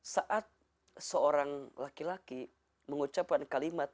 saat seorang laki laki mengucapkan kalimat